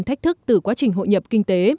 thách thức từ quá trình hội nhập kinh tế